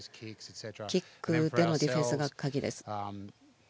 キックでもディフェンスが鍵です。